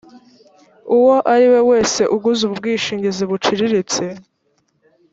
uwo ari we wese uguze ubwishingizi buciriritse